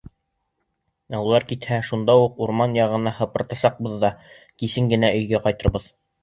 Ә улар китһә, шунда уҡ урман яғына һыпыртасаҡбыҙ ҙа, кисен генә өйгә ҡайтырбыҙ.